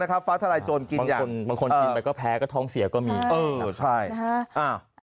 นะครับฟ้าทะลายโจรกินอย่างคนก็แพ้ก็ท้องเสียก็มีใช่นะ